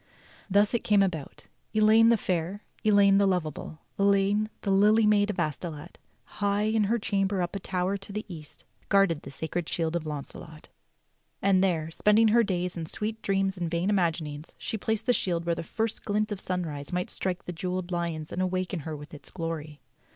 Thus it came about that — "Elaine the fair, Elaine the lovable, Elaine the lily maid of Astolat, High in her chamber up a tower to the east, Guarded the sacred shield of Launcelot." THE ADVENTURES OF LAUNCELOT 85 And there, spending her days in sweet dreams and vain imagin ings, she placed the shield where the first glint of sunrise might strike the jewelled lions and awaken her with its glory.